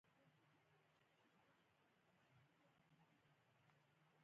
د عددونو ژبه په ادارو کې ګټوره شوه.